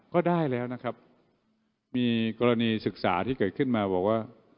ก็ได้แล้วนะครับมีกรณีศึกษาที่เกิดขึ้นมาบอกว่า